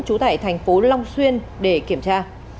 trú tại thành phố long xuyên để kiểm tra